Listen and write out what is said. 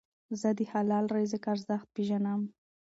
زه د حلال رزق ارزښت پېژنم.